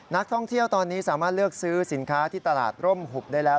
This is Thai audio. นักท่องเที่ยวตอนนี้สามารถเลือกซื้อสินค้าที่ตลาดร่มหุบได้แล้ว